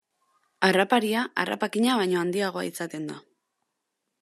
Harraparia harrapakina baino handiagoa izaten da.